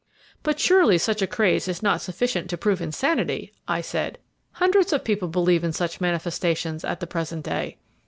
"But surely such a craze is not sufficient to prove insanity!" I said. "Hundreds of people believe in such manifestations at the present day."